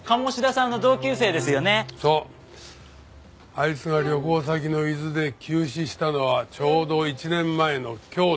あいつが旅行先の伊豆で急死したのはちょうど１年前の今日だ。